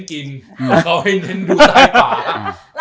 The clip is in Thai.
เค้าให้เน้นดูใส่ปาก